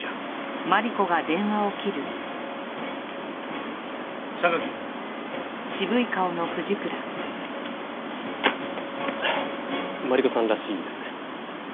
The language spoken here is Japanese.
フフマリコさんらしいですね。